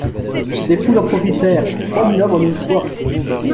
Des foules en profitèrent, trois mille hommes en une fois.